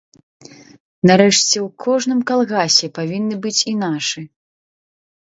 Нарэшце ў кожным калгасе павінны быць і нашы.